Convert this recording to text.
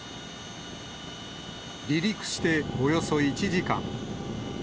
離陸しておよそ１時間。